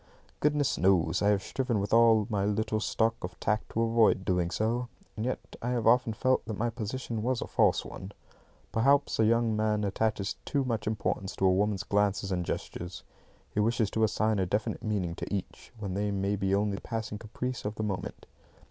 Goodness knows I have striven with all my little stock of tact to avoid doing so. And yet I have often felt that my position was a false one. Perhaps a young man attaches too much importance to a woman's glances and gestures. He wishes to assign a definite meaning to each, when they may be only the passing caprice of the moment.